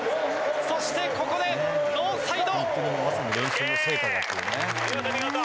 そしてここでノーサイド。